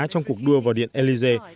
trong cuộc đua vào điện elysee